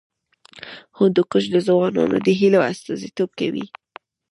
هندوکش د ځوانانو د هیلو استازیتوب کوي.